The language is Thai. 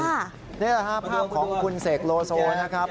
นี่แหละครับภาพของคุณเสกโลโซนะครับ